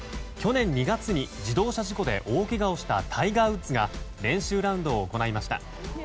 去年２月に自動車事故で大けがをしたタイガー・ウッズが練習ラウンドを行いました。